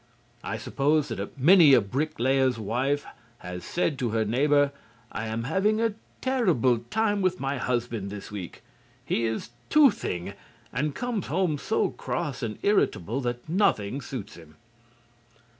I suppose that many a bricklayer's wife has said to her neighbor, "I am having a terrible time with my husband this week. He is toothing, and comes home so cross and irritable that nothing suits him."